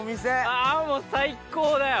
あもう最高だよ。